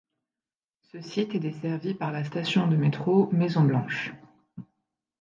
Ce site est desservi par la station de métro Maison Blanche.